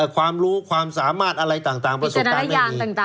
ความรู้ความสามารถอะไรต่างประสบการณ์ไม่มี